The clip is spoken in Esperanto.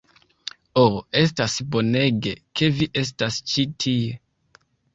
Ho, estas bonege ke vi estas ĉi tie.